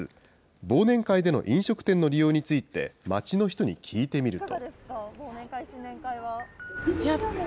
忘年会での飲食店の利用について、街の人に聞いてみると。